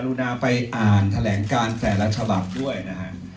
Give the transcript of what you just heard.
กรุณาไปอ่านแถลงการแสดงรัฐบาลด้วยนะครับ